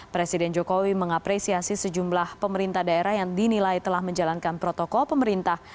presiden jokowi mengapresiasi sejumlah pemerintah daerah yang dinilai telah menjalankan protokol pemerintah